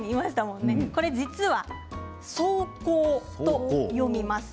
これ実は霜降と読みます。